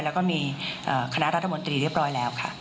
แล้วก็มีคณะรัฐมนตรีเรียบร้อยแล้วค่ะ